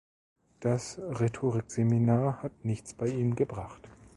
Das Rhetorikseminar hat nichts bei ihm gebracht.